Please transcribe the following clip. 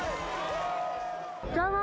どうも！